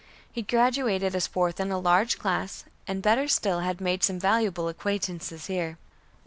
He graduated as fourth in a large class, and better still had made some valuable acquaintances here.